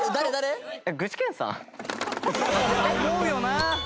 思うよな。